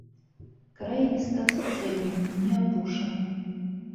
Край ліста суцэльны, не апушаны.